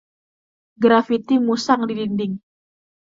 Grafiti musang di dinding.